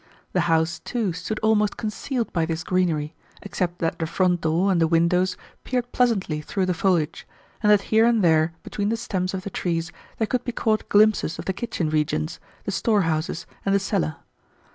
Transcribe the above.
The house, too, stood almost concealed by this greenery, except that the front door and the windows peered pleasantly through the foliage, and that here and there between the stems of the trees there could be caught glimpses of the kitchen regions, the storehouses, and the cellar.